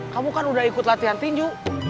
kamu kan udah ikut latihan tinju